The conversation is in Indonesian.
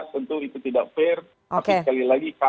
tentu itu tidak fair